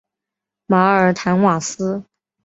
马尔坦瓦斯。